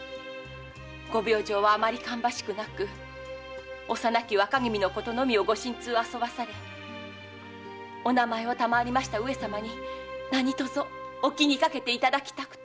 ご病状はあまり芳しくなく幼き若君のことのみをご心痛あそばされお名前を賜りました上様に何とぞお気にかけていただきたくと。